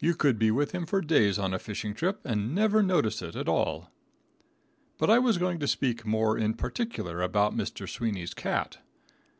You could be with him for days on a fishing trip and never notice it at all. But I was going to speak more in particular about Mr. Sweeney's cat. Mr.